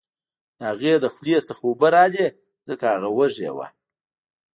د هغې له خولې څخه اوبه راغلې ځکه هغه وږې وه